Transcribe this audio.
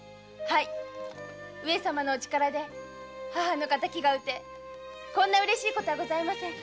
上様のお力で母の敵が討ててこんなにうれしいことはございません。